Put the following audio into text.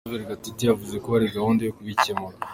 Claver Gatete yavuze ko hari gahunda yo kubikemura.